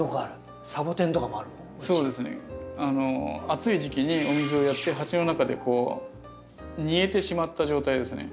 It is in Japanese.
暑い時期にお水をやって鉢の中で煮えてしまった状態ですね。